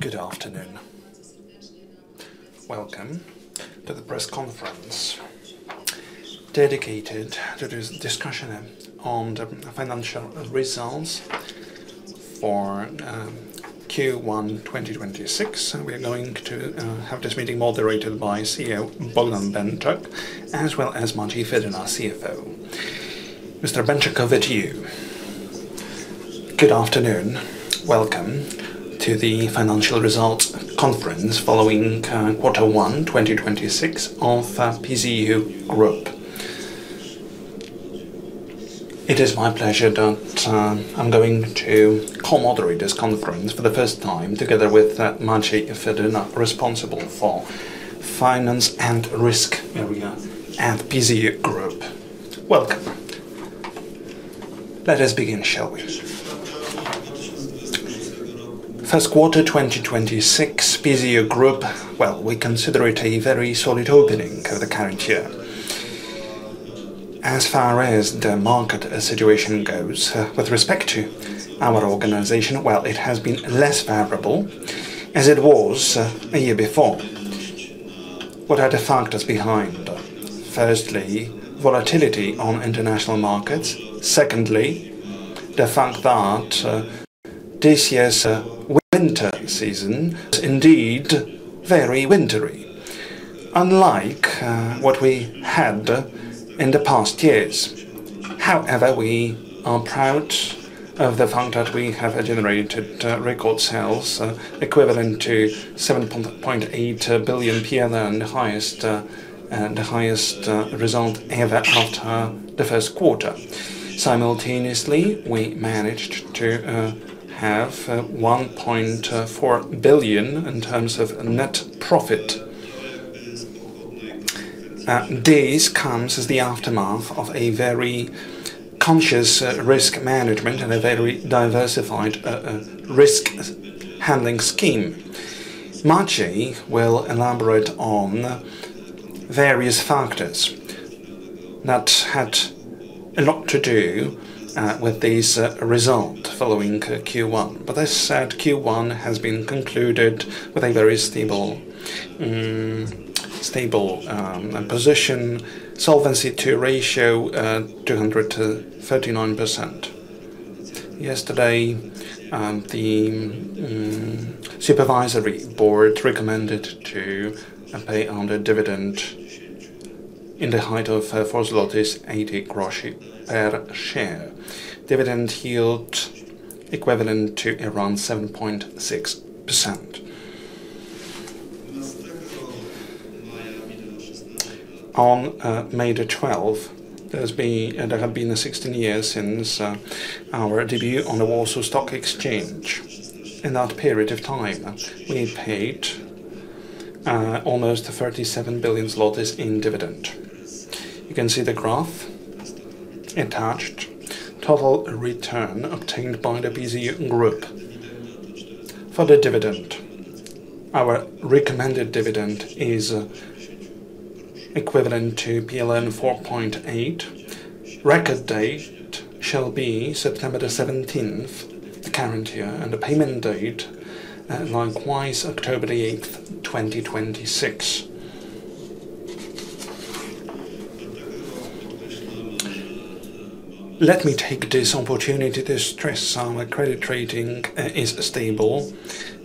Good afternoon. Welcome to the press conference dedicated to this discussion on the financial results for Q1 2026. We're going to have this meeting moderated by CEO Bogdan Benczak, as well as Maciej Fedyna, our CFO. Mr. Benczak, over to you. Good afternoon. Welcome to the financial results conference following Q1 2026 of PZU Group. It is my pleasure that I'm going to co-moderate this conference for the first time together with Maciej Fedyna, responsible for finance and risk area at PZU Group. Welcome. Let us begin, shall we? Q1 2026, PZU Group, well, we consider it a very solid opening of the current year. As far as the market situation goes, with respect to our organization, well, it has been less favorable as it was a year before. What are the factors behind that? Firstly, volatility on international markets. Secondly, the fact that this year's winter season is indeed very wintery, unlike what we had in the past years. However, we are proud of the fact that we have generated record sales equivalent to 7.8 billion PLN, the highest result ever at the first quarter. Simultaneously, we managed to have 1.4 billion in terms of net profit. This comes as the aftermath of a very conscious risk management and a very diversified risk handling scheme. Maciej will elaborate on various factors that had a lot to do with this result following Q1. That said, Q1 has been concluded with a very stable solvency ratio 239%. Yesterday, the supervisory board recommended to pay out a dividend in the height of 4.80 zlotys per share. Dividend yield equivalent to around 7.6%. On May 12, there have been 16 years since our debut on the Warsaw Stock Exchange. In that period of time, we paid almost 37 billion zlotys in dividend. You can see the graph attached. Total return obtained by the PZU Group for the dividend. Our recommended dividend is equivalent to PLN 4.8. Record date shall be September 17, the current year, and the payment date likewise October 8, 2026. Let me take this opportunity to stress our credit rating is stable,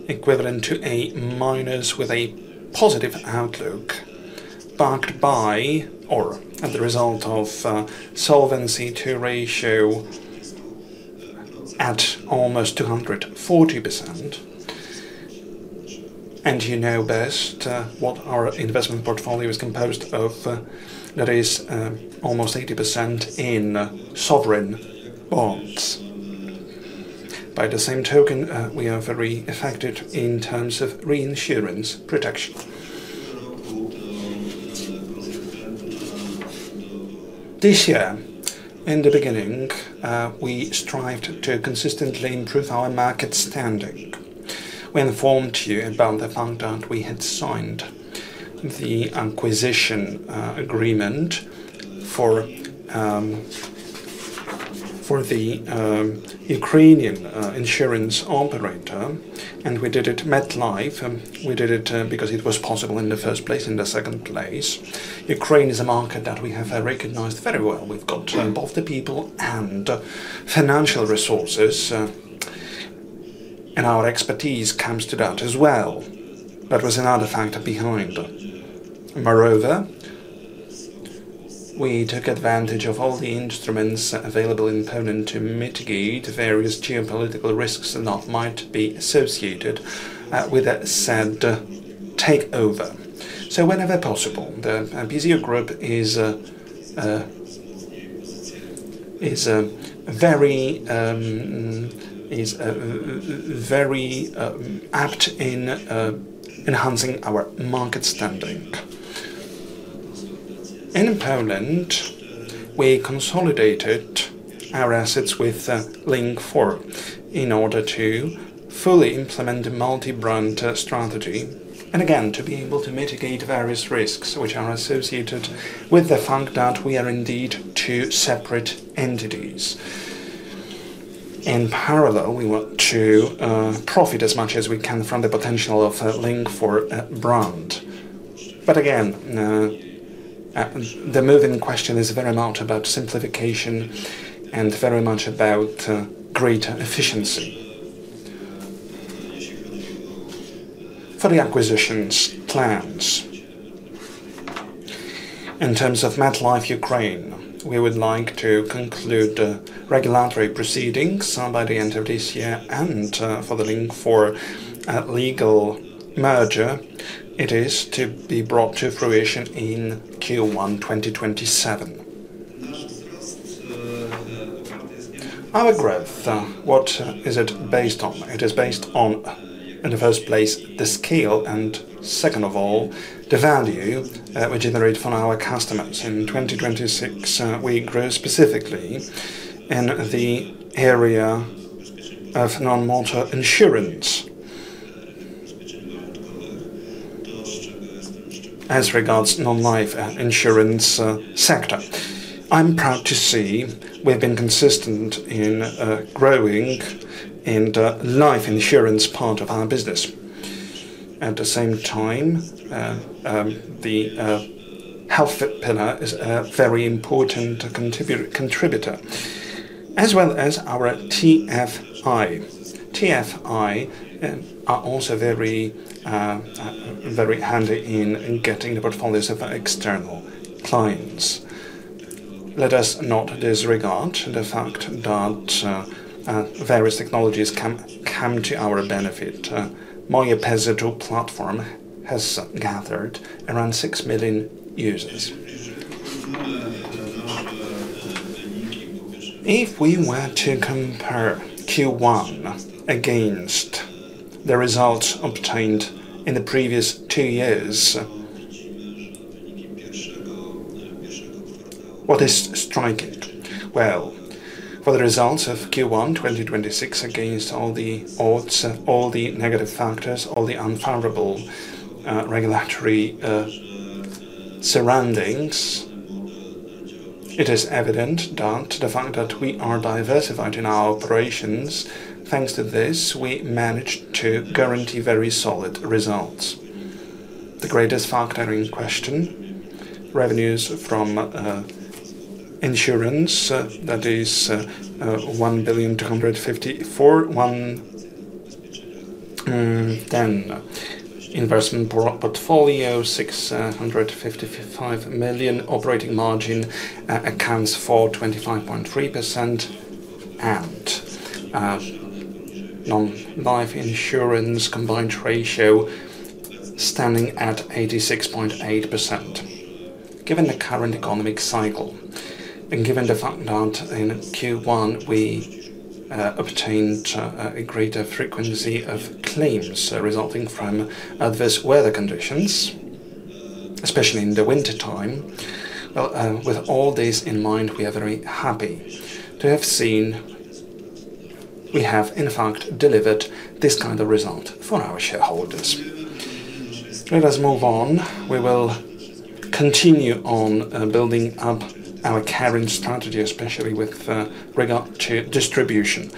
equivalent to A- with a positive outlook, backed by or as a result of solvency ratio at almost 240%. You know best what our investment portfolio is composed of, that is almost 80% in sovereign bonds. By the same token, we are very effective in terms of reinsurance protection. This year, in the beginning, we strived to consistently improve our market standing. We informed you about the fact that we had signed the acquisition agreement for the Ukrainian insurance operator, and we did it MetLife. We did it because it was possible in the first place. In the second place, Ukraine is a market that we have recognized very well. We've got both the people and financial resources, and our expertise comes to that as well. That was another factor behind. We took advantage of all the instruments available in Poland to mitigate various geopolitical risks that might be associated with that said takeover. Whenever possible, the PZU Group is very apt in enhancing our market standing. In Poland, we consolidated our assets with Link4 in order to fully implement a multi-brand strategy, again, to be able to mitigate various risks which are associated with the fact that we are indeed two separate entities. In parallel, we want to profit as much as we can from the potential of Link4 brand. Again, the move in question is very much about simplification and very much about greater efficiency. For the acquisitions plans. In terms of MetLife Ukraine, we would like to conclude regulatory proceedings by the end of this year and for the Link4 legal merger, it is to be brought to fruition in Q1 2027. Our growth, what is it based on? It is based on, in the first place, the scale and second of all, the value we generate from our customers. In 2026, we grew specifically in the area of non-motor insurance. As regards non-life insurance sector, I'm proud to see we've been consistent in growing in the life insurance part of our business. At the same time, the health pillar is a very important contributor, as well as our TFI. TFI are also very handy in getting the portfolios of external clients. Let us not disregard the fact that various technologies can come to our benefit. mojePZU platform has gathered around 6 million users. If we were to compare Q1 against the results obtained in the previous two years, what is striking? Well, for the results of Q1 2026 against all the odds, all the negative factors, all the unfavorable regulatory surroundings, it is evident that the fact that we are diversified in our operations, thanks to this, we managed to guarantee very solid results. The greatest factor in question, revenues from insurance, that is 1,254,110. Investment portfolio, 655 million. Operating margin accounts for 25.3%. Non-life insurance combined ratio standing at 86.8%. Given the current economic cycle and given the fact that in Q1 we obtained a greater frequency of claims resulting from adverse weather conditions, especially in the wintertime, well, with all this in mind, we are very happy to have seen we have, in fact, delivered this kind of result for our shareholders. Let us move on. We will continue on building up our caring strategy, especially with regard to distribution.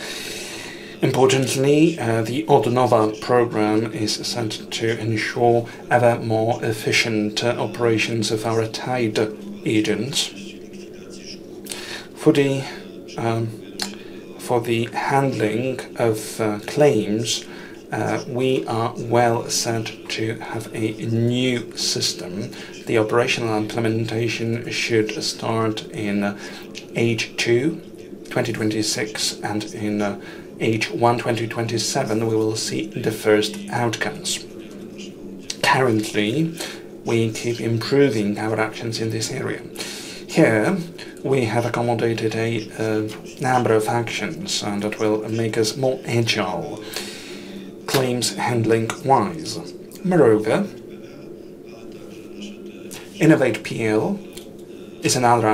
Importantly, the odNowa program is set to ensure ever more efficient operations of our tied agents. For the handling of claims, we are well set to have a new system. The operational implementation should start in H2 2026 and in H1 2027 we will see the first outcomes. Currently, we keep improving our actions in this area. Here, we have accommodated a number of actions that will make us more agile claims handling-wise. Moreover, Innovate PL is another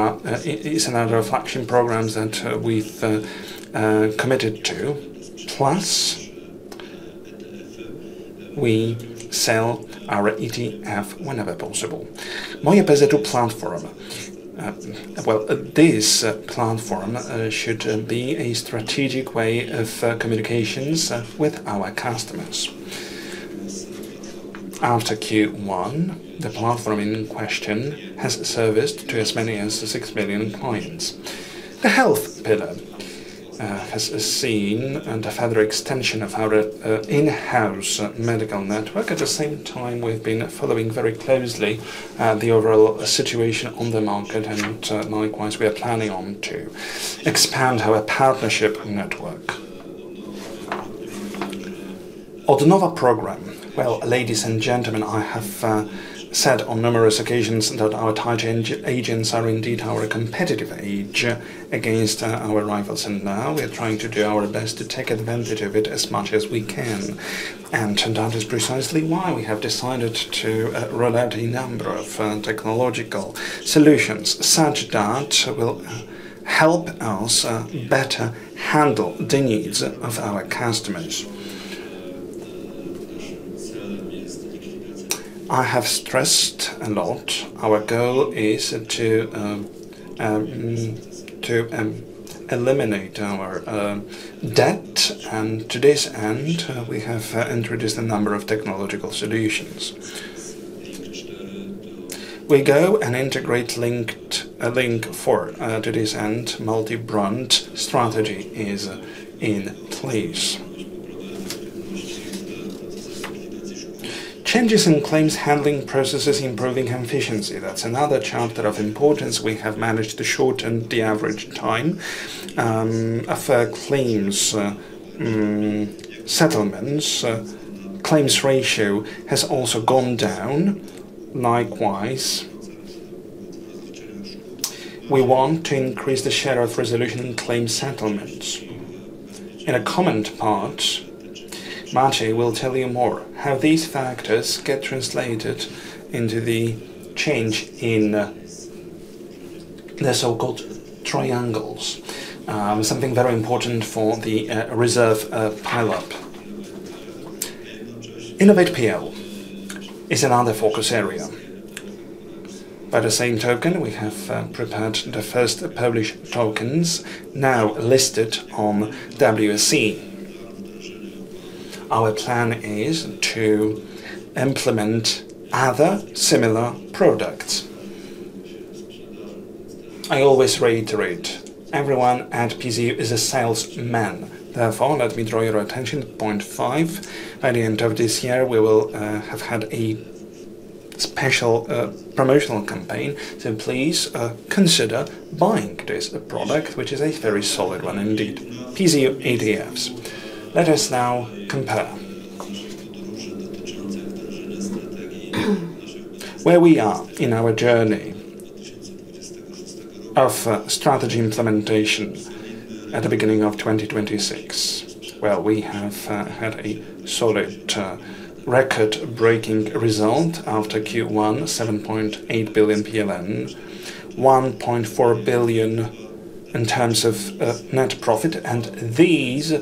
action program that we've committed to. We sell our ETF whenever possible. mojePZU platform. Well, this platform should be a strategic way of communications with our customers. After Q1, the platform in question has serviced to as many as 6 million clients. The health pillar has seen a further extension of our in-house medical network. At the same time, we've been following very closely the overall situation on the market and likewise we are planning on to expand our partnership network. odNowa program. Well, ladies and gentlemen, I have said on numerous occasions that our tied agents are indeed our competitive edge against our rivals and now we are trying to do our best to take advantage of it as much as we can. That is precisely why we have decided to roll out a number of technological solutions such that will help us better handle the needs of our customers. I have stressed a lot our goal is to eliminate our debt. To this end, we have introduced a number of technological solutions. We go and integrate Link4. To this end, multi-brand strategy is in place. Changes in claims handling processes improving efficiency, that's another chapter of importance. We have managed to shorten the average time of claims settlements. Claims ratio has also gone down. Likewise, we want to increase the share of resolution in claims settlements. In a comment part, Maciej will tell you more how these factors get translated into the change in the so-called triangles, something very important for the reserve pileup. Innovate PL is another focus area. By the same token, we have prepared the first published tokens now listed on WSE. Our plan is to implement other similar products. I always reiterate, everyone at PZU is a salesman. Therefore, let me draw your attention to point five. By the end of this year, we will have had a special promotional campaign, so please consider buying this product, which is a very solid one indeed, PZU ETFs. Let us now compare where we are in our journey of strategy implementation at the beginning of 2026, where we have had a solid, record-breaking result after Q1, 7.8 billion PLN, 1.4 billion in terms of net profit. These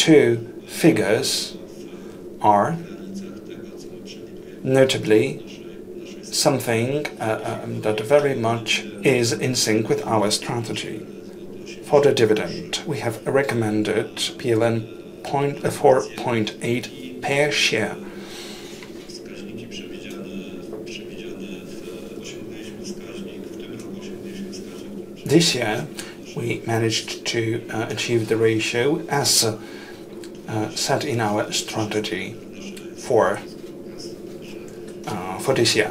two figures are notably something that very much is in sync with our strategy. For the dividend, we have recommended 4.8 PLN per share. This year, we managed to achieve the ratio as set in our strategy for this year.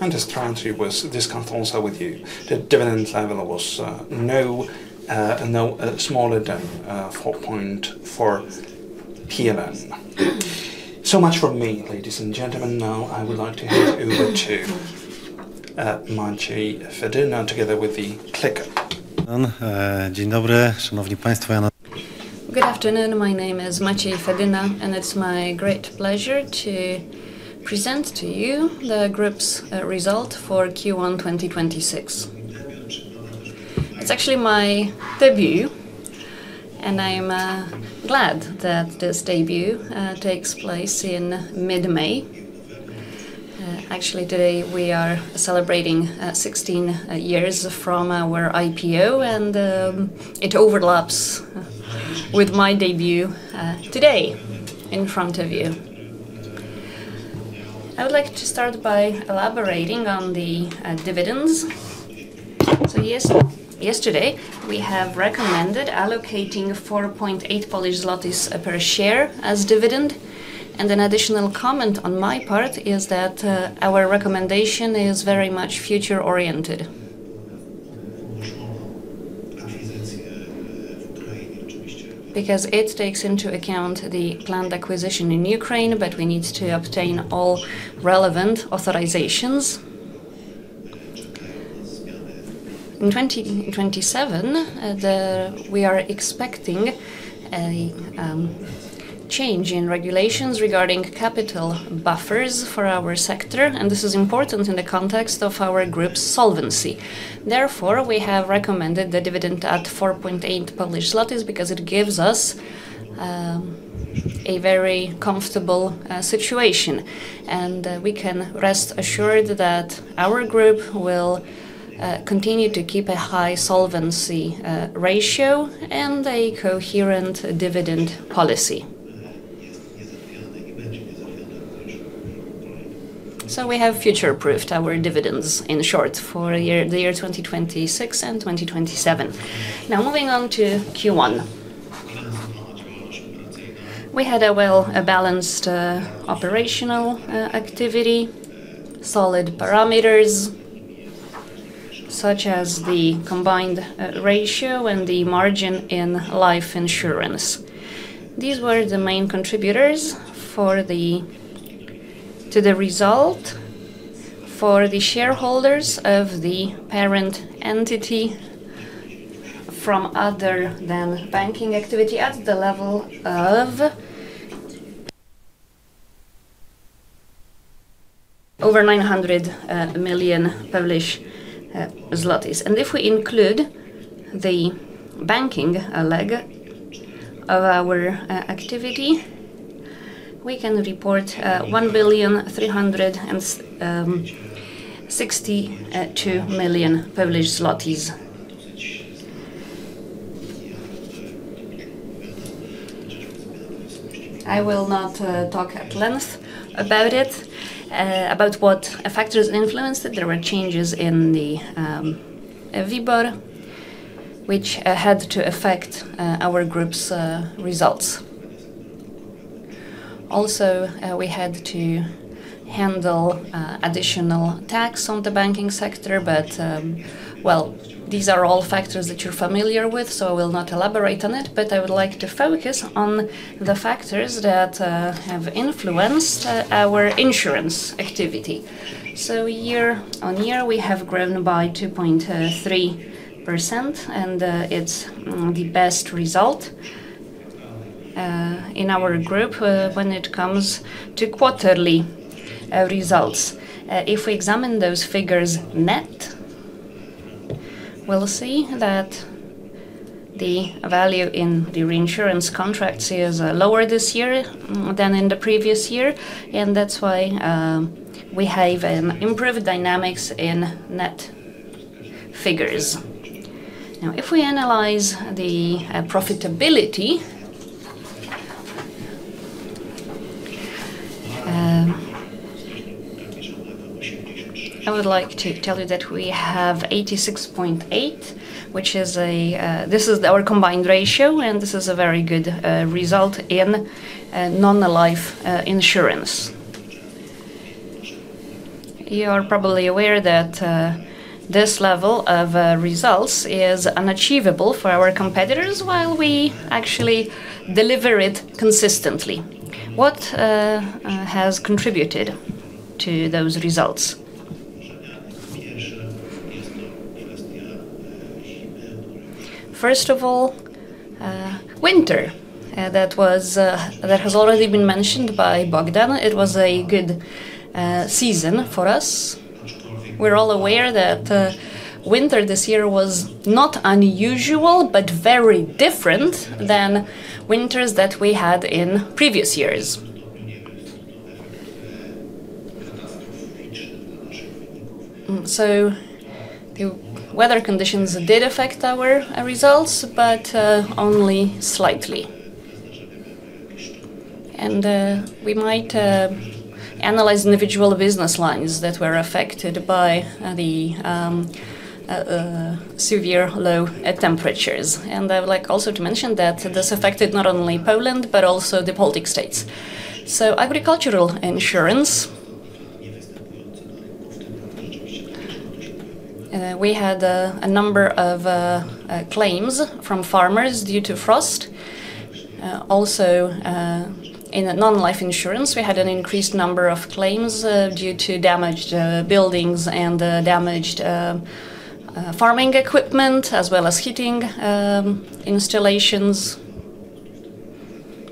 The strategy was discussed also with you. The dividend level was no smaller than 4.4 PLN. Much from me, ladies and gentlemen. I would like to hand over to Maciej Fedyna together with the clicker. Good afternoon. My name is Maciej Fedyna, and it's my great pleasure to present to you the group's result for Q1 2026. It's actually my debut, I'm glad that this debut takes place in mid-May. Actually, today we are celebrating 16 years from our IPO, and it overlaps with my debut today in front of you. I would like to start by elaborating on the dividends. Yes, yesterday we have recommended allocating 4.8 Polish zlotys per share as dividend. An additional comment on my part is that our recommendation is very much future-oriented. It takes into account the planned acquisition in Ukraine, but we need to obtain all relevant authorizations. In 2027, we are expecting a change in regulations regarding capital buffers for our sector, and this is important in the context of our group's solvency. Therefore, we have recommended the dividend at 4.8 Polish zlotys because it gives us a very comfortable situation. We can rest assured that our group will continue to keep a high solvency ratio and a coherent dividend policy. We have future-proofed our dividends, in short, for the year 2026 and 2027. Moving on to Q1. We had a well-balanced operational activity, solid parameters such as the combined ratio and the margin in life insurance. These were the main contributors to the result for the shareholders of the parent entity from other than banking activity at the level of over 900 million Polish zlotys. If we include the banking leg of our activity, we can report PLN 1 billion 362 million. I will not talk at length about it. About what factors influenced it. There were changes in the WIBOR which had to affect our group's results. We had to handle additional tax on the banking sector, well, these are all factors that you're familiar with, so I will not elaborate on it. I would like to focus on the factors that have influenced our insurance activity. Year on year, we have grown by 2.3% and it's the best result in our group when it comes to quarterly results. If we examine those figures net, we'll see that the value in the reinsurance contracts is lower this year than in the previous year. That's why we have an improved dynamics in net figures. If we analyze the profitability, I would like to tell you that we have 86.8. This is our combined ratio and this is a very good result in non-life insurance. You are probably aware that this level of results is unachievable for our competitors while we actually deliver it consistently. What has contributed to those results? Winter, that was, that has already been mentioned by Bogdan. It was a good season for us. We're all aware that winter this year was not unusual, but very different than winters that we had in previous years. The weather conditions did affect our results, but only slightly. We might analyze individual business lines that were affected by the severe low temperatures. I would like also to mention that this affected not only Poland but also the Baltic states. Agricultural insurance, we had a number of claims from farmers due to frost. In non-life insurance, we had an increased number of claims due to damaged buildings and damaged farming equipment as well as heating installations.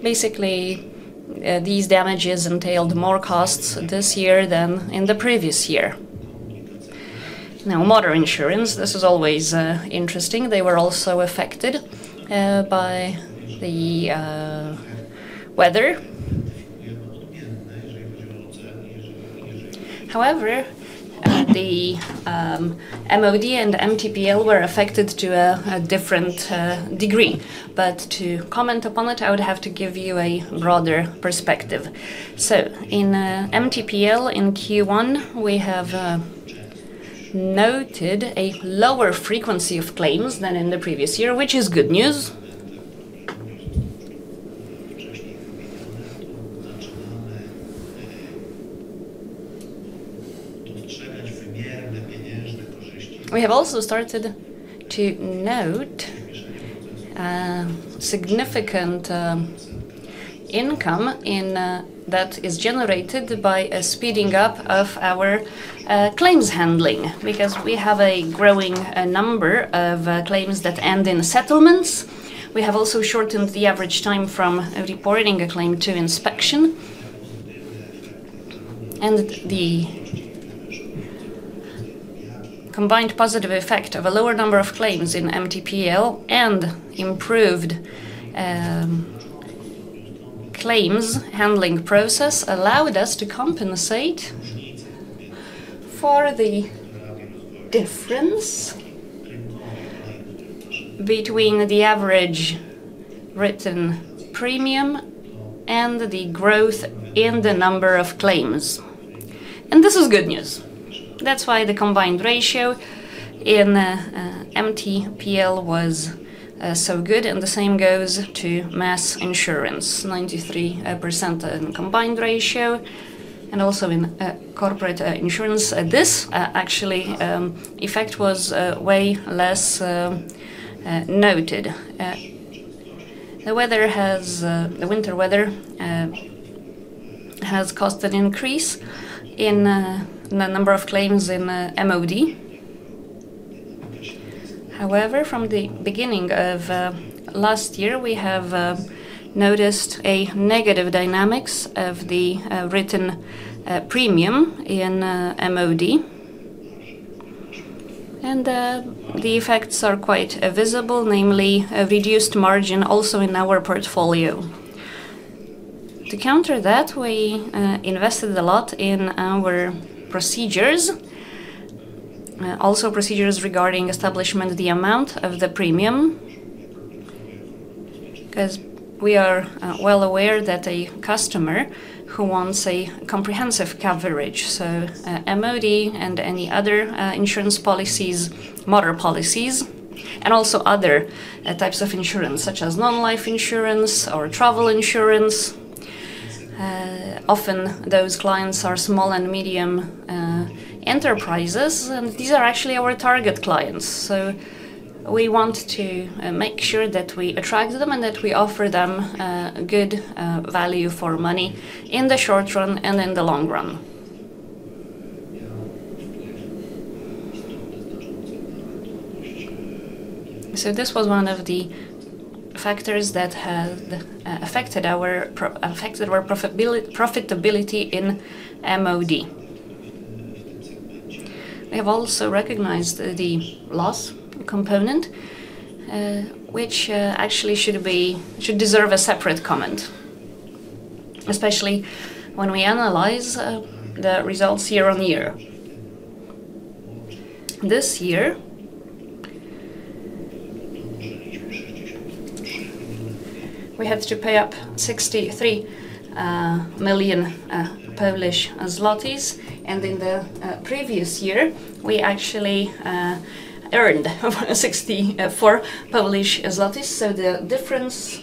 These damages entailed more costs this year than in the previous year. Motor insurance, this is always interesting. They were also affected by the weather. The MOD and MTPL were affected to a different degree. To comment upon it, I would have to give you a broader perspective. In MTPL in Q1, we have noted a lower frequency of claims than in the previous year, which is good news. We have also started to note significant income in that is generated by a speeding up of our claims handling because we have a growing number of claims that end in settlements. We have also shortened the average time from reporting a claim to inspection. The combined positive effect of a lower number of claims in MTPL and improved claims handling process allowed us to compensate for the difference between the average written premium and the growth in the number of claims. This is good news. That's why the combined ratio in MTPL was so good and the same goes to mass insurance, 93% in combined ratio and also in corporate insurance. This actually effect was way less noted. The weather has the winter weather has caused an increase in the number of claims in MOD. However, from the beginning of last year, we have noticed a negative dynamics of the written premium in MOD. The effects are quite visible, namely a reduced margin also in our portfolio. To counter that, we invested a lot in our procedures. Also procedures regarding establishment the amount of the premium. Because we are well aware that a customer who wants a comprehensive coverage, so MOD and any other insurance policies, motor policies, and also other types of insurance such as non-life insurance or travel insurance. Often those clients are small and medium enterprises, and these are actually our target clients. We want to make sure that we attract them and that we offer them good value for money in the short run and in the long run. This was one of the factors that has affected our profitability in MOD. We have also recognized the loss component, which actually should deserve a separate comment, especially when we analyze the results year on year. This year we had to pay up 63 million Polish zlotys and in the previous year, we actually earned 64. The difference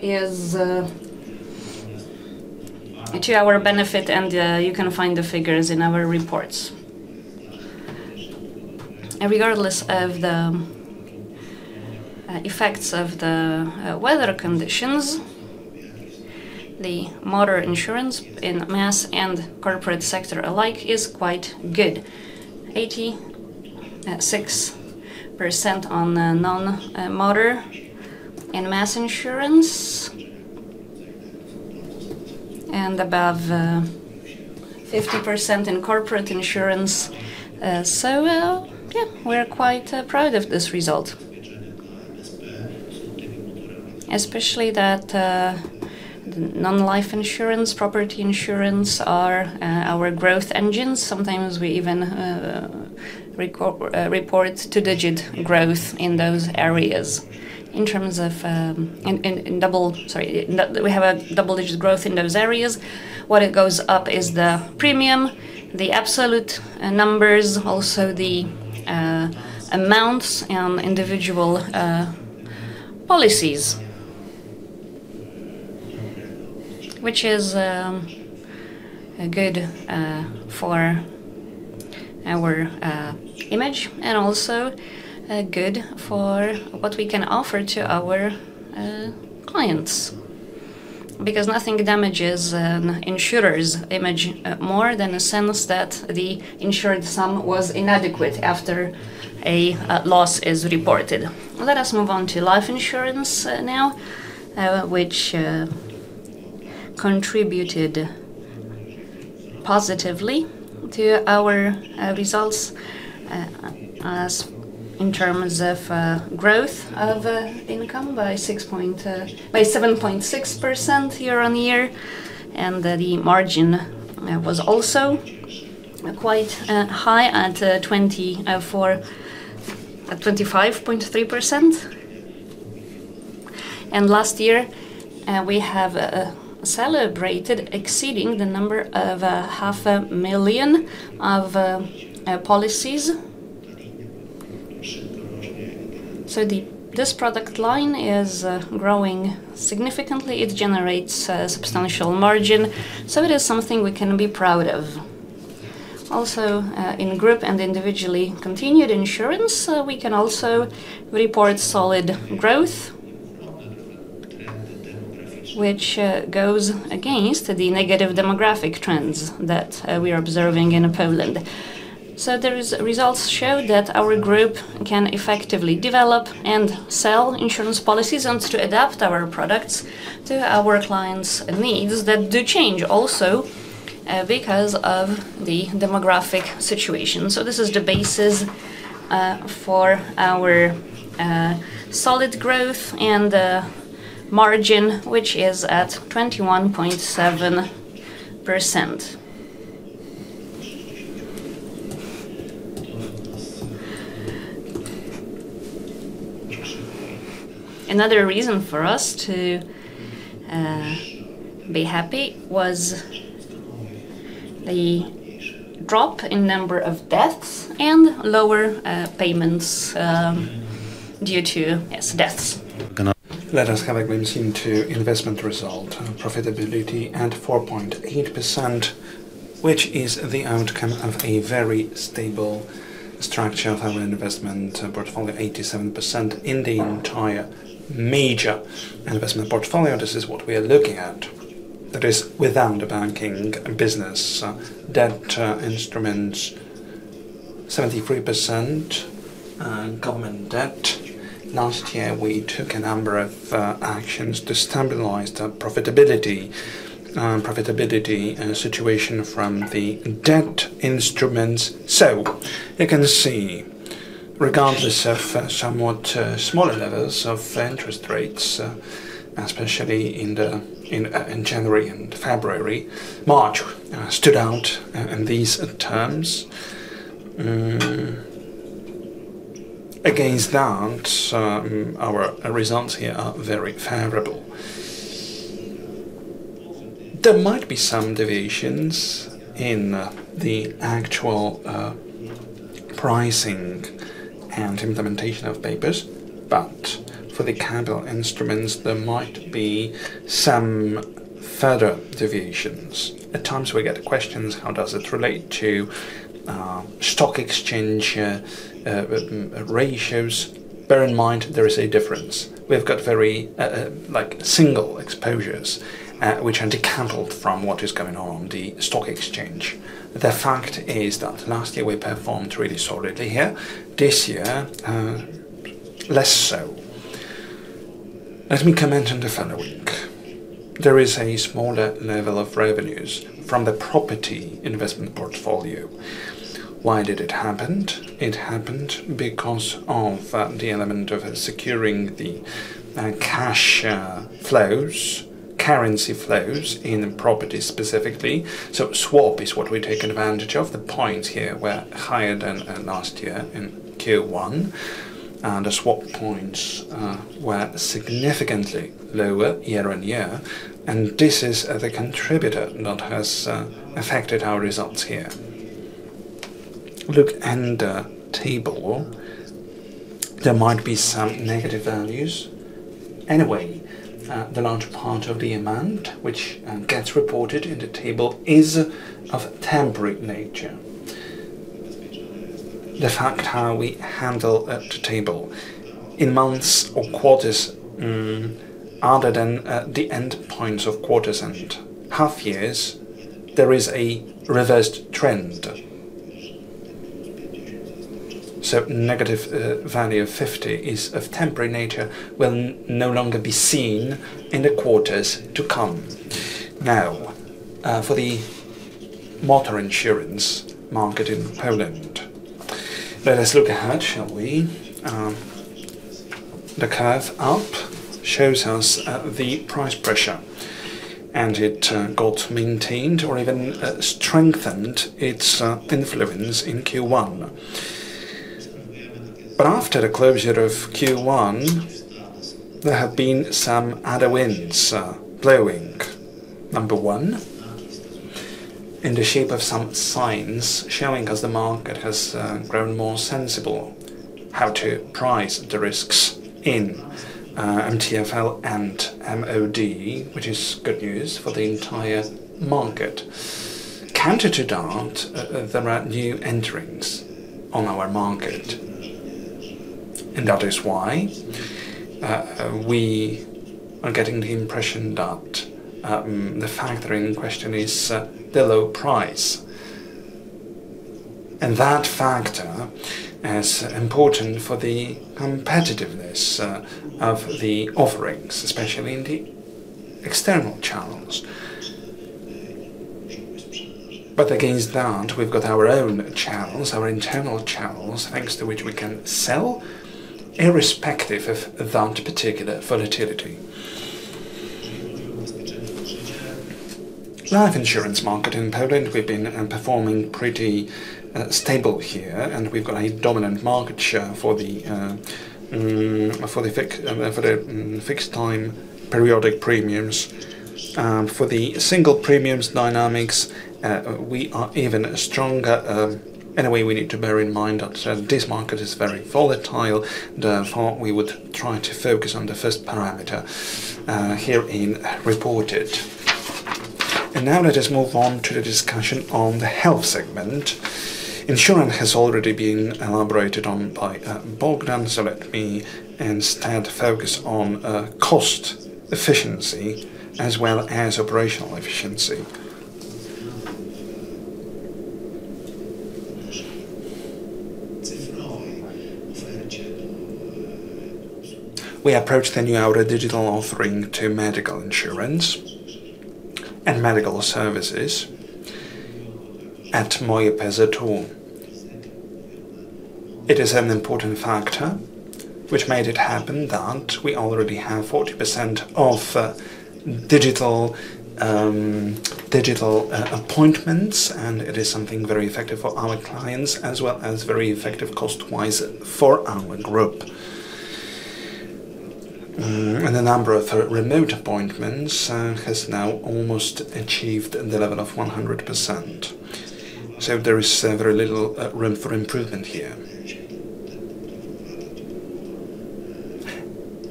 is to our benefit and you can find the figures in our reports. Regardless of the effects of the weather conditions, the motor insurance in mass and corporate sector alike is quite good. 86% on the non-motor and mass insurance and above 50% in corporate insurance. We're quite proud of this result. Especially that the non-life insurance, property insurance are our growth engines. Sometimes we even report 2-digit growth in those areas. In terms of, we have a double-digit growth in those areas. What it goes up is the premium, the absolute numbers, also the amounts on individual policies, which is good for our image and also good for what we can offer to our clients. Because nothing damages an insurer's image more than a sense that the insured sum was inadequate after a loss is reported. Let us move on to life insurance now, which contributed positively to our results as in terms of growth of income by 7.6% year on year. The margin was also quite high at 25.3%. Last year, we have celebrated exceeding the number of 0.5 million policies. This product line is growing significantly. It generates a substantial margin, so it is something we can be proud of. Also, in group and individually continued insurance, we can also report solid growth which goes against the negative demographic trends that we are observing in Poland. There is results show that our group can effectively develop and sell insurance policies and to adapt our products to our clients' needs that do change also because of the demographic situation. This is the basis for our solid growth and margin, which is at 21.7%. Another reason for us to be happy was the drop in number of deaths and lower payments due to, yes, deaths. Let us have a glimpse into investment result profitability at 4.8%, which is the outcome of a very stable structure of our investment portfolio, 87% in the entire major investment portfolio. This is what we are looking at. That is without the banking business. Debt instruments, 73% government debt. Last year, we took a number of actions to stabilize the profitability situation from the debt instruments. You can see, regardless of somewhat smaller levels of interest rates, especially in the, in January and February, March, stood out in these terms. Against that, our results here are very favorable. There might be some deviations in the actual pricing and implementation of papers, but for the capital instruments, there might be some further deviations. At times we get questions, how does it relate to stock exchange ratios? Bear in mind there is a difference. We've got very, like single exposures, which are decoupled from what is going on on the stock exchange. The fact is that last year we performed really solidly here. This year, less so. Let me comment on the following. There is a smaller level of revenues from the property investment portfolio. Why did it happened? It happened because of the element of securing the cash flows, currency flows in property specifically. Swap is what we take advantage of. The points here were higher than last year in Q1, and the swap points were significantly lower year on year, and this is the contributor that has affected our results here. Look in the table. There might be some negative values. The larger part of the amount which gets reported in the table is of temporary nature. The fact how we handle the table in months or quarters, other than the end points of quarters and half years, there is a reversed trend. Negative value of 50 is of temporary nature will no longer be seen in the quarters to come. For the motor insurance market in Poland. Let us look ahead, shall we? The curve up shows us the price pressure, and it got maintained or even strengthened its influence in Q1. After the closure of Q1, there have been some other winds blowing. 1, in the shape of some signs showing us the market has grown more sensible how to price the risks in MTPL and MOD, which is good news for the entire market. Counter to that, there are new entrants on our market. That is why we are getting the impression that the factor in question is the low price. That factor is important for the competitiveness of the offerings, especially in the external channels. Against that, we've got our own channels, our internal channels, thanks to which we can sell irrespective of that particular volatility. Life insurance market in Poland, we've been performing pretty stable here, and we've got a dominant market share for the fixed time periodic premiums. For the single premiums dynamics, we are even stronger. We need to bear in mind that this market is very volatile. We would try to focus on the first parameter herein reported. Let us move on to the discussion on the health segment. Insurance has already been elaborated on by Bogdan, let me instead focus on cost efficiency as well as operational efficiency. We approach the new era digital offering to medical insurance and medical services at mojePZU. It is an important factor which made it happen that we already have 40% of digital appointments, it is something very effective for our clients as well as very effective cost-wise for our group. The number of remote appointments has now almost achieved the level of 100%. There is very little room for improvement here.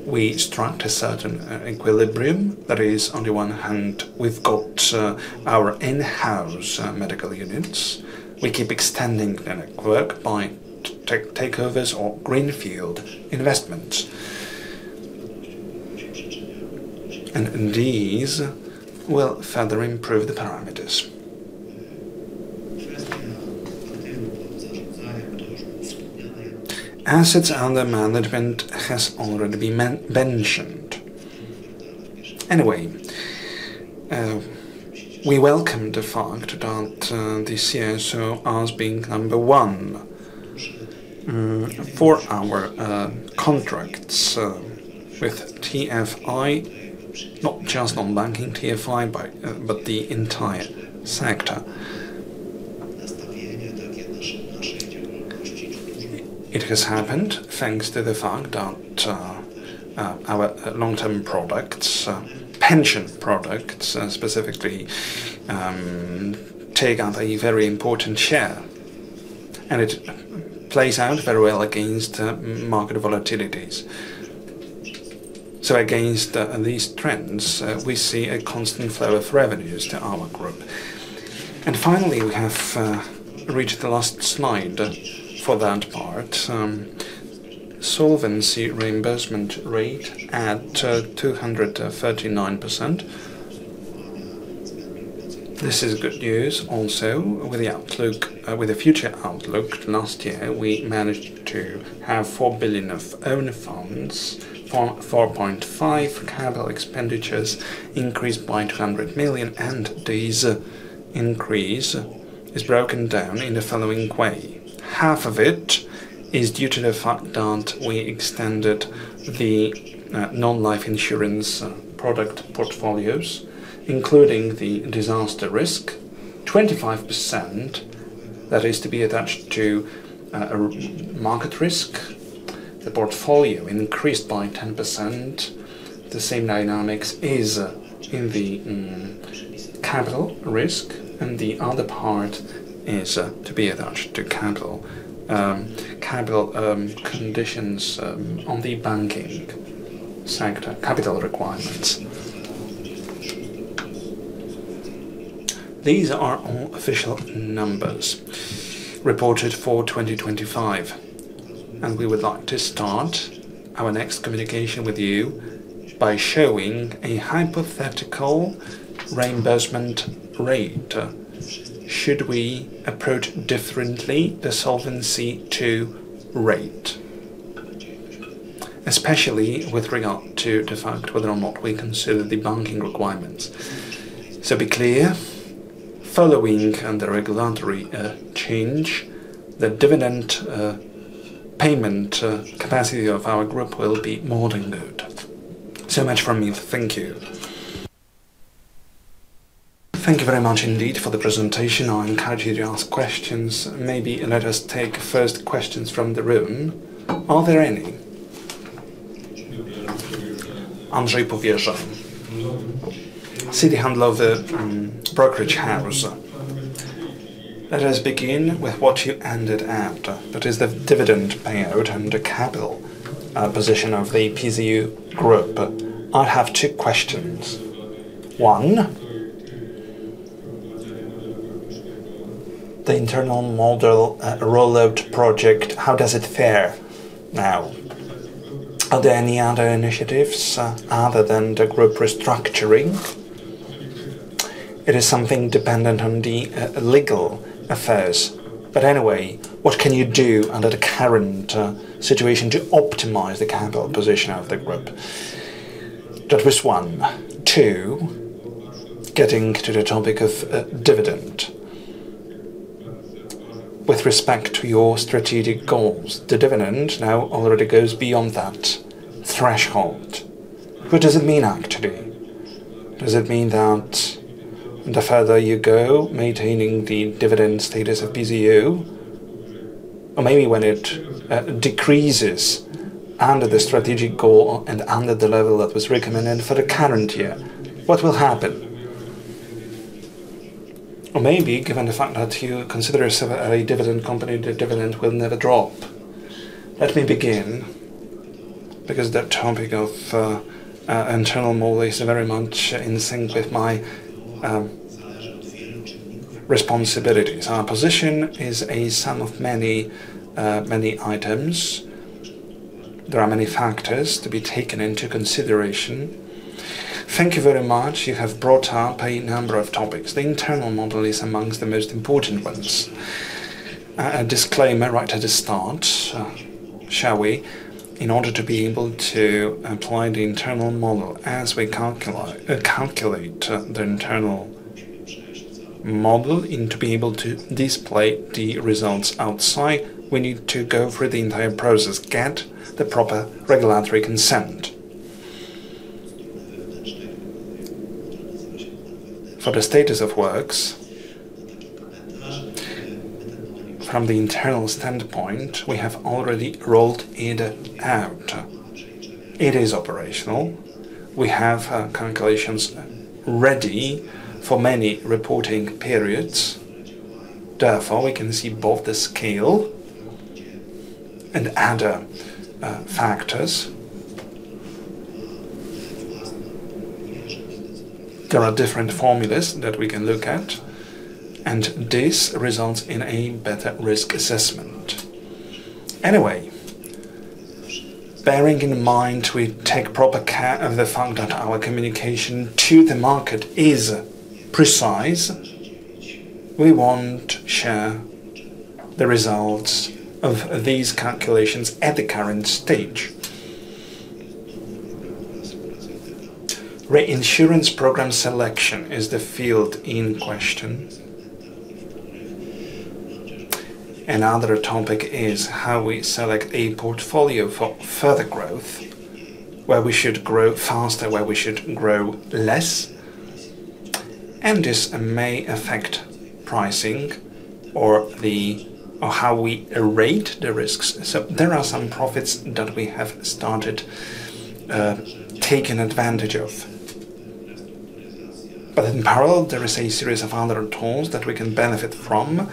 We struck a certain equilibrium. That is, on the one hand, we've got our in-house medical units. We keep extending the network by takeovers or greenfield investments. These will further improve the parameters. Assets under management has already been mentioned. Anyway, we welcome the fact that the CSO as being number 1 for our contracts with TFI, not just on banking TFI, but the entire sector. It has happened thanks to the fact that our long-term products, pension products specifically, take a very important share, and it plays out very well against market volatilities. Against these trends, we see a constant flow of revenues to our group. Finally, we have reached the last slide for that part. Solvency reimbursement rate at 239%. This is good news also with the outlook with the future outlook. Last year, we managed to have 4 billion of own funds, 4.5 billion. Capital expenditures increased by 200 million, and this increase is broken down in the following way. Half of it is due to the fact that we extended the non-life insurance product portfolios, including the disaster risk. 25% that is to be attached to market risk. The portfolio increased by 10%. The same dynamics is in the capital risk, and the other part is to be attached to capital conditions on the banking sector, capital requirements. These are all official numbers reported for 2025. We would like to start our next communication with you by showing a hypothetical reimbursement rate should we approach differently the Solvency II rate, especially with regard to the fact whether or not we consider the banking requirements. Be clear, following the regulatory change, the dividend payment capacity of our group will be more than good. Much from me. Thank you. Thank you very much indeed for the presentation. I encourage you to ask questions. Maybe let us take first questions from the room. Are there any? Andrzej Powierża, Citi Handlowy, the brokerage house. Let us begin with what you ended at, that is the dividend payout and the capital position of the PZU Group. I have two questions. One, the internal model rollout project, how does it fare now? Are there any other initiatives other than the group restructuring? It is something dependent on the legal affairs. Anyway, what can you do under the current situation to optimize the capital position of the group? That was one. Two, getting to the topic of dividend. With respect to your strategic goals, the dividend now already goes beyond that threshold. What does it mean actually? Does it mean that the further you go maintaining the dividend status of PZU, or maybe when it decreases under the strategic goal and under the level that was recommended for the current year, what will happen? Maybe given the fact that you consider yourself a dividend company, the dividend will never drop. Let me begin, because the topic of internal model is very much in sync with my responsibilities. Our position is a sum of many, many items. There are many factors to be taken into consideration. Thank you very much. You have brought up a number of topics. The internal model is amongst the most important ones. A disclaimer right at the start, shall we? In order to be able to apply the internal model as we calculate the internal model and to be able to display the results outside, we need to go through the entire process, get the proper regulatory consent. For the status of works, from the internal standpoint, we have already rolled it out. It is operational. We have calculations ready for many reporting periods. Therefore, we can see both the scale and other factors. There are different formulas that we can look at, and this results in a better risk assessment. Bearing in mind we take proper care of the fact that our communication to the market is precise, we won't share the results of these calculations at the current stage. Reinsurance program selection is the field in question. Another topic is how we select a portfolio for further growth, where we should grow faster, where we should grow less. This may affect pricing or how we rate the risks. There are some profits that we have started taking advantage of. In parallel, there is a series of other tools that we can benefit from,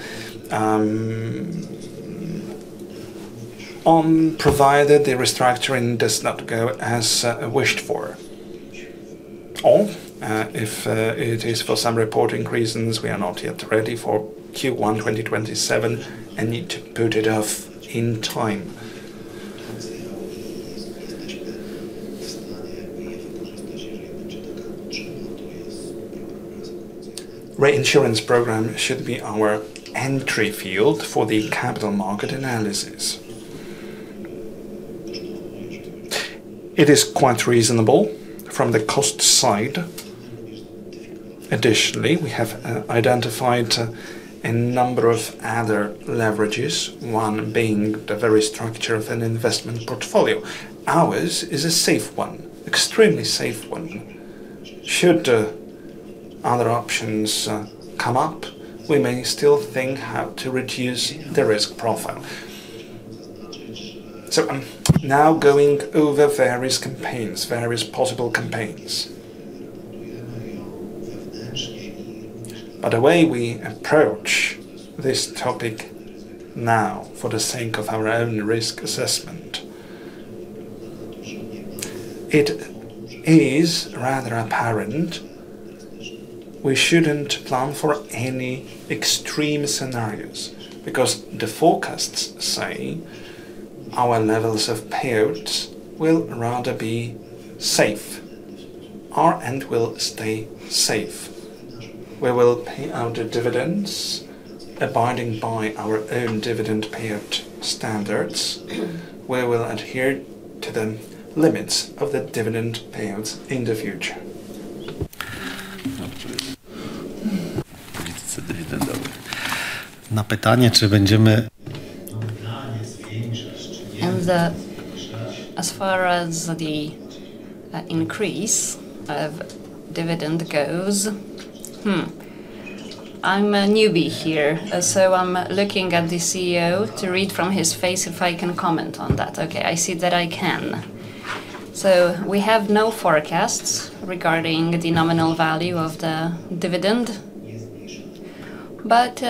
provided the restructuring does not go as wished for. If it is for some reporting reasons we are not yet ready for Q1 2027 and need to put it off in time. Reinsurance program should be our entry field for the capital market analysis. It is quite reasonable from the cost side. We have identified a number of other leverages, one being the very structure of an investment portfolio. Ours is a safe one, extremely safe one. Should other options come up, we may still think how to reduce the risk profile. I'm now going over various campaigns, various possible campaigns. The way we approach this topic now for the sake of our own risk assessment, it is rather apparent we shouldn't plan for any extreme scenarios because the forecasts say our levels of payout will rather be safe. Our end will stay safe. We will pay out the dividends abiding by our own dividend payout standards. We will adhere to the limits of the dividend payouts in the future. As far as the increase of dividend goes, I'm a newbie here, so I'm looking at the CEO to read from his face if I can comment on that. Okay, I see that I can. We have no forecasts regarding the nominal value of the dividend, but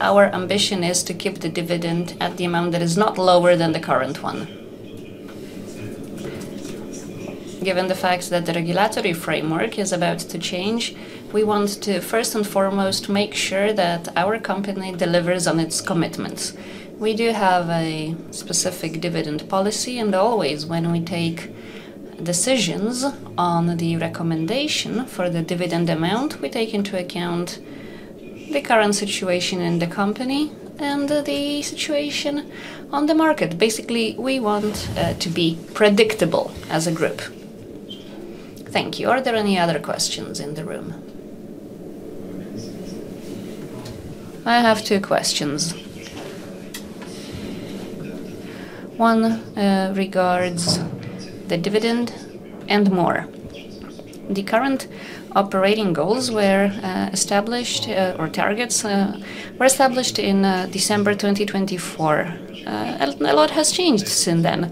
our ambition is to keep the dividend at the amount that is not lower than the current one. Given the fact that the regulatory framework is about to change, we want to first and foremost make sure that our company delivers on its commitments. We do have a specific dividend policy and always when we take decisions on the recommendation for the dividend amount, we take into account the current situation in the company and the situation on the market. Basically, we want to be predictable as a group. Thank you. Are there any other questions in the room? I have two questions. One regards the dividend and more. The current operating goals were established or targets were established in December 2024. A lot has changed since then.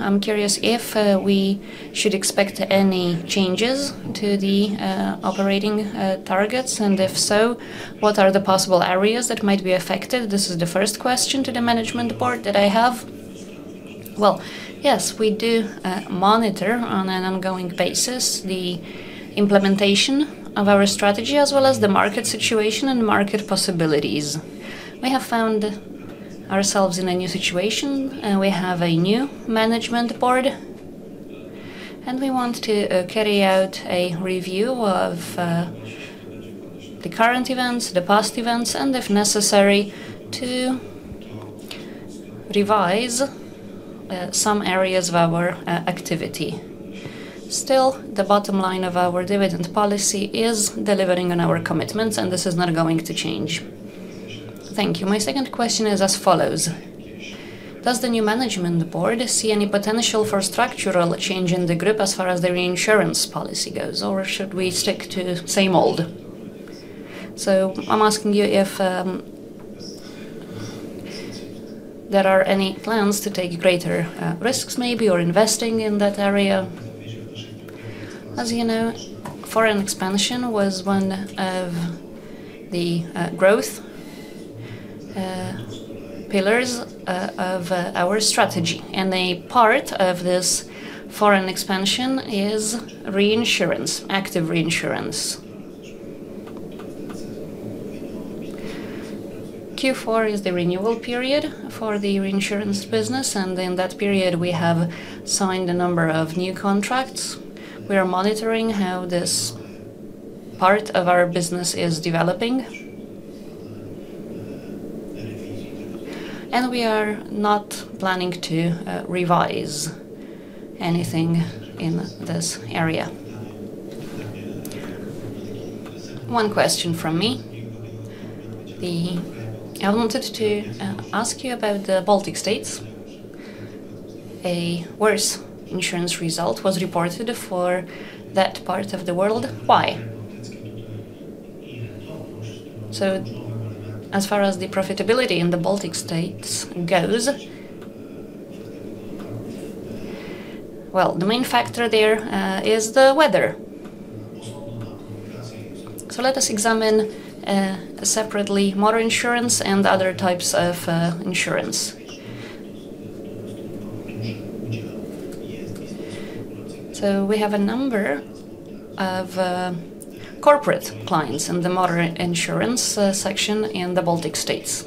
I'm curious if we should expect any changes to the operating targets, and if so, what are the possible areas that might be affected? This is the first question to the management board that I have. Well, yes, we do monitor on an ongoing basis the implementation of our strategy as well as the market situation and market possibilities. We have found ourselves in a new situation, we have a new management board, we want to carry out a review of the current events, the past events, and if necessary, to revise some areas of our activity. The bottom line of our dividend policy is delivering on our commitments, this is not going to change. Thank you. My second question is as follows. Does the new management board see any potential for structural change in the PZU Group as far as the reinsurance policy goes, or should we stick to same old? I'm asking you if there are any plans to take greater risks maybe or investing in that area. As you know, foreign expansion was one of the growth pillars of our strategy. A part of this foreign expansion is reinsurance, active reinsurance. Q4 is the renewal period for the reinsurance business, and in that period, we have signed a number of new contracts. We are monitoring how this part of our business is developing. We are not planning to revise anything in this area. 1 question from me. I wanted to ask you about the Baltic States. A worse insurance result was reported for that part of the world. Why? As far as the profitability in the Baltic States goes, well, the main factor there is the weather. Let us examine separately motor insurance and other types of insurance. We have a number of corporate clients in the motor insurance section in the Baltic States.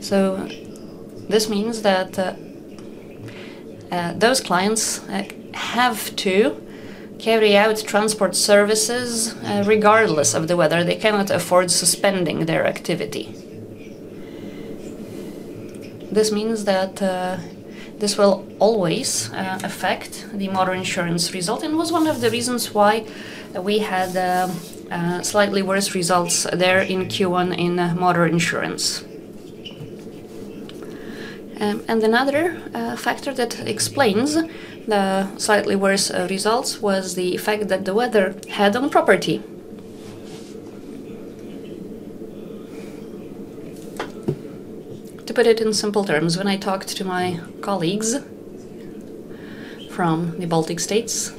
This means that those clients have to carry out transport services regardless of the weather. They cannot afford suspending their activity. This means that this will always affect the motor insurance result and was one of the reasons why we had slightly worse results there in Q1 in motor insurance. Another factor that explains the slightly worse results was the effect that the weather had on property. To put it in simple terms, when I talked to my colleagues from the Baltic States,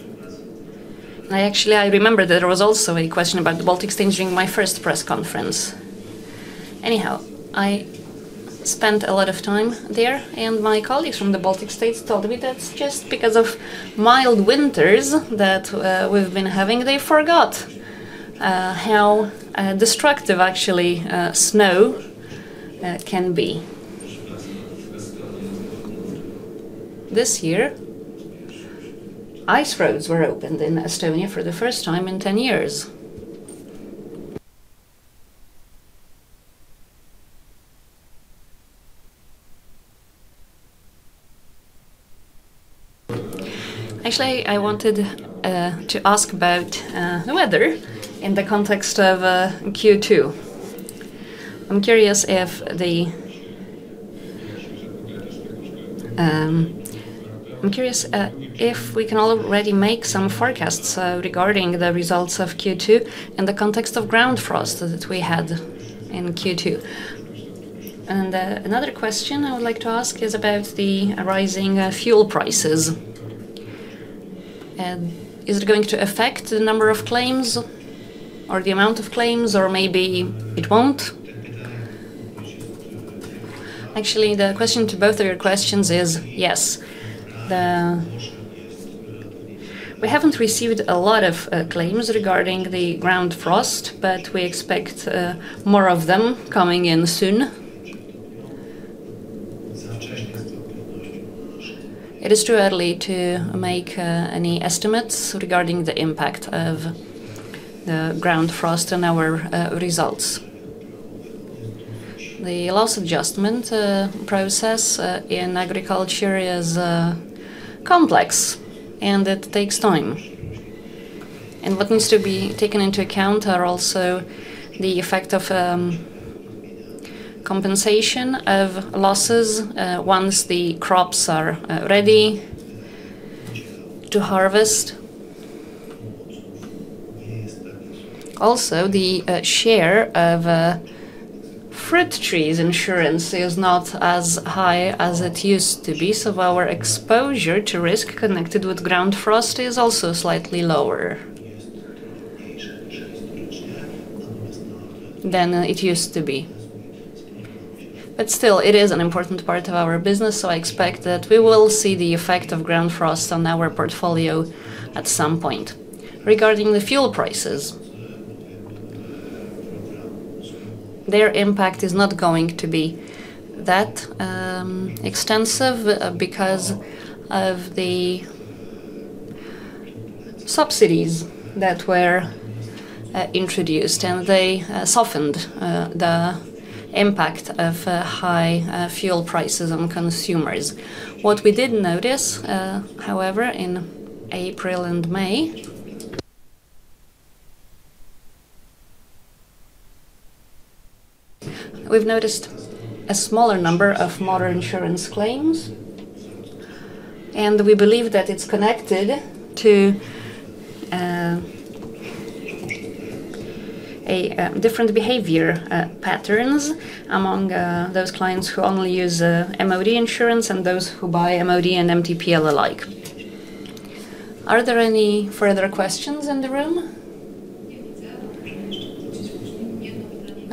I actually remember there was also a question about the Baltics during my first press conference. Anyhow, I spent a lot of time there, and my colleagues from the Baltic States told me that's just because of mild winters that we've been having, they forgot how destructive actually snow can be. This year, ice roads were opened in Estonia for the first time in 10 years. Actually, I wanted to ask about the weather in the context of Q2. I'm curious if we can already make some forecasts regarding the results of Q2 in the context of ground frost that we had in Q2. Another question I would like to ask is about the rising fuel prices. Is it going to affect the number of claims or the amount of claims, or maybe it won't? Actually, the question to both of your questions is yes. We haven't received a lot of claims regarding the ground frost, but we expect more of them coming in soon. It is too early to make any estimates regarding the impact of the ground frost on our results. The loss adjustment process in agriculture is complex, and it takes time. What needs to be taken into account are also the effect of compensation of losses once the crops are ready to harvest. Also, the share of fruit trees insurance is not as high as it used to be, so our exposure to risk connected with ground frost is also slightly lower than it used to be. Still, it is an important part of our business, so I expect that we will see the effect of ground frost on our portfolio at some point. Regarding the fuel prices, their impact is not going to be that extensive, because of the subsidies that were introduced, and they softened the impact of high fuel prices on consumers. What we did notice, however, in April and May, we've noticed a smaller number of motor insurance claims, and we believe that it's connected to a different behavior patterns among those clients who only use MOD insurance and those who buy MOD and MTPL alike. Are there any further questions in the room?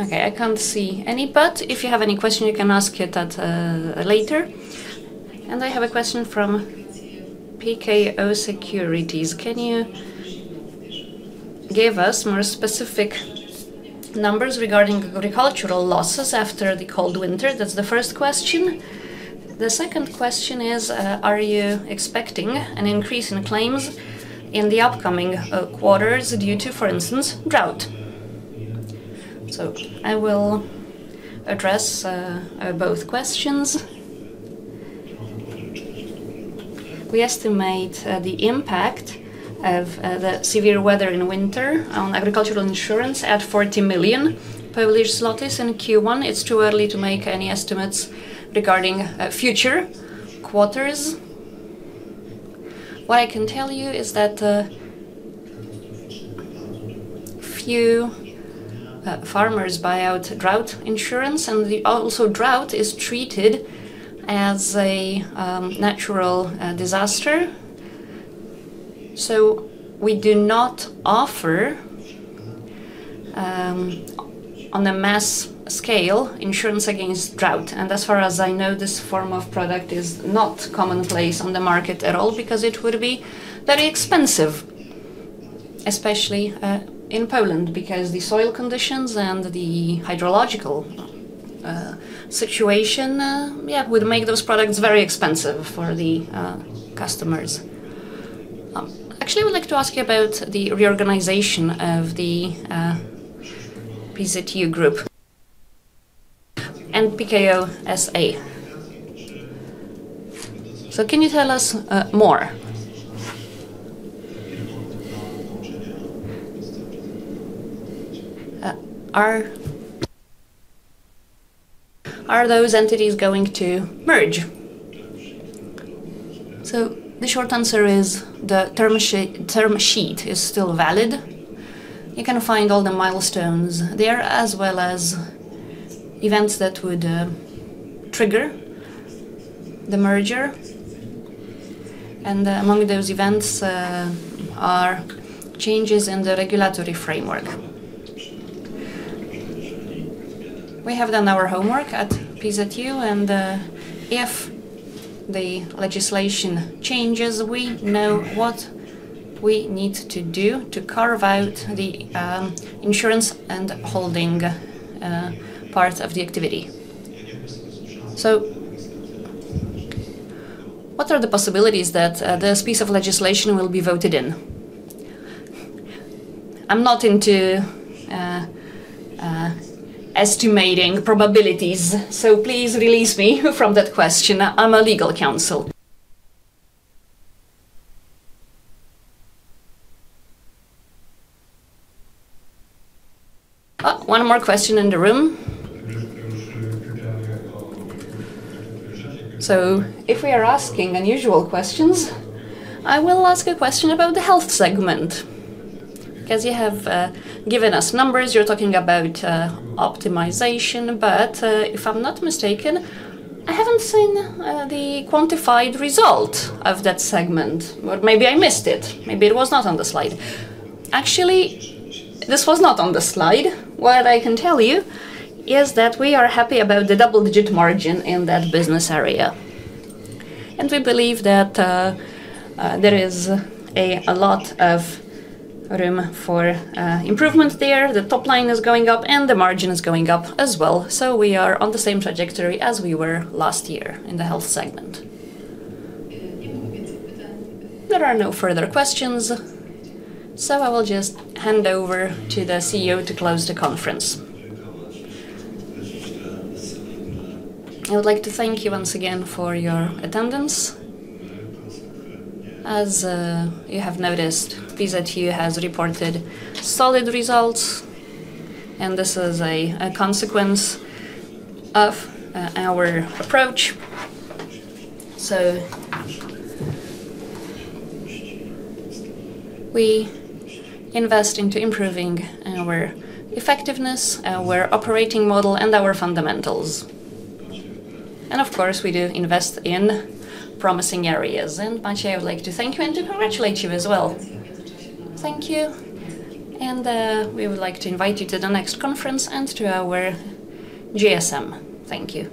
Okay, I can't see any, but if you have any question, you can ask it at later. I have a question from PKO Securities. Can you give us more specific numbers regarding agricultural losses after the cold winter. That's the first question. The second question is, are you expecting an increase in claims in the upcoming quarters due to, for instance, drought? I will address both questions. We estimate the impact of the severe weather in winter on agricultural insurance at 40 million in Q1. It's too early to make any estimates regarding future quarters. What I can tell you is that few farmers buy out drought insurance and the also drought is treated as a natural disaster. We do not offer on a mass insurance against drought. As far as I know, this form of product is not commonplace on the market at all because it would be very expensive, especially in Poland because the soil conditions and the hydrological situation would make those products very expensive for the customers. Actually I would like to ask you about the reorganization of the PZU Group and Pekao SA. Can you tell us more? Are those entities going to merge? The short answer is the term sheet is still valid. You can find all the milestones there as well as events that would trigger the merger. Among those events are changes in the regulatory framework. We have done our homework at PZU and, if the legislation changes, we know what we need to do to carve out the insurance and holding part of the activity. What are the possibilities that this piece of legislation will be voted in? I'm not into estimating probabilities, so please release me from that question. I'm a legal counsel. One more question in the room. If we are asking unusual questions, I will ask a question about the health segment because you have given us numbers, you're talking about optimization, but if I'm not mistaken, I haven't seen the quantified result of that segment or maybe I missed it. Maybe it was not on the slide. Actually, this was not on the slide. What I can tell you is that we are happy about the double-digit margin in that business area. We believe that there is a lot of room for improvement there. The top line is going up. The margin is going up as well. We are on the same trajectory as we were last year in the health segment. There are no further questions. I will just hand over to the CEO to close the conference. I would like to thank you once again for your attendance. You have noticed, PZU has reported solid results. This is a consequence of our approach. We invest into improving our effectiveness, our operating model and our fundamentals. Of course, we do invest in promising areas. Maciej, I would like to thank you and to congratulate you as well. Thank you. We would like to invite you to the next conference and to our AGM. Thank you.